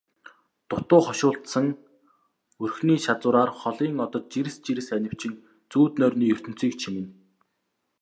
Дутуу хошуулдсан өрхний шазуураар холын одод жирс жирс анивчин зүүд нойрны ертөнцийг чимнэ.